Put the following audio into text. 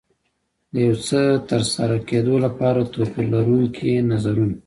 د یو څه ترسره کېدو لپاره توپير لرونکي نظرونه.